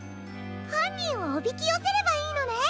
はんにんをおびきよせればいいのね。